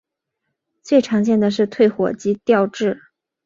最常见的是退火及调质。